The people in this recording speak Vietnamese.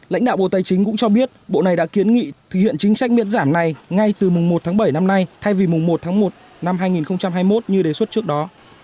lãnh đạo bộ tài chính cũng cho biết bộ này đã kiến nghị thực hiện chính sách miễn giảm này ngay từ mùng một tháng bảy năm nay thay vì mùng một tháng một năm hai nghìn hai mươi một như đề xuất trước đó